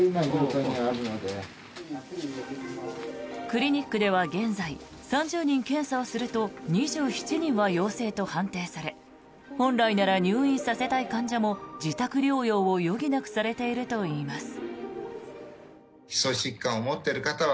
クリニックでは現在３０人検査をすると２７人は陽性と判定され本来なら入院させたい患者も自宅療養を余儀なくされているといいます。